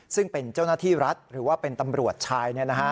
ซึ่งเป็นเจ้าหน้าที่รัฐหรือว่าเป็นตำรวจชาย